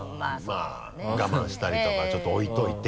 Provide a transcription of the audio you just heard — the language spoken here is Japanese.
まぁ我慢したりとかちょっと置いておいて。